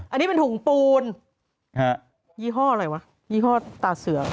อันนี้เป็นถุงปูนยี่ห้ออะไรวะยี่ห้อตาเสือ